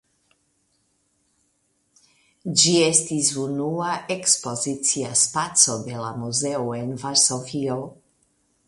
Ĝi estis unua ekspozicia spaco de la muzeo en Varsovio.